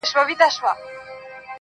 چي هر څوک د ځان په غم دي-